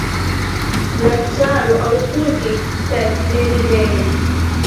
La caro aŭskultis, sed ne divenis.